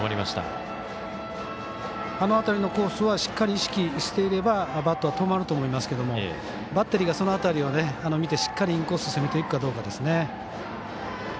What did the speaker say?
あの辺りのコースはしっかり意識していればバットは止まると思いますけどバッテリーがその辺りを見てしっかりインコースに攻めるかですね。